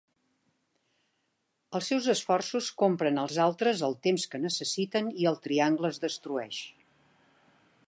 Els seus esforços compren als altres el temps que necessiten i el Triangle es destrueix.